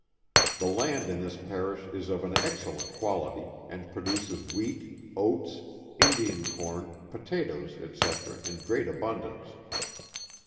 The land in this Parish is of an excellent quality, and produces wheat, oats, Indian corn, potatoes, &c. in great abundance.